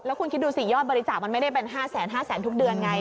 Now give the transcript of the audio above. แล้วคุณคิดดูสิยอดบริจาคไม่ได้เป็น๕๐๐๐๐๐๕๐๐๐๐๐ทุกเดือนไง